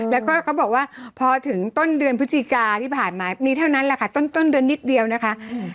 แล้วก็เขาบอกว่าพอถึงต้นเดือนพฤศจิกาที่ผ่านมามีเท่านั้นแหละค่ะต้นเดือนนิดเดียวนะคะ